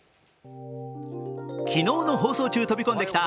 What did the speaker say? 昨日の放送中、飛び込んできた